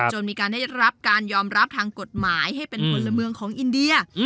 มีการได้รับการยอมรับทางกฎหมายให้เป็นพลเมืองของอินเดีย